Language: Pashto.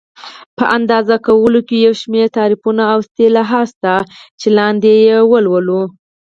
په اندازه کولو کې یو شمېر تعریفونه او اصلاحات شته چې لاندې یې لولو.